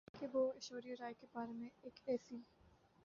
کہ وہ ایشوریا رائے کے بارے میں ایک ایسی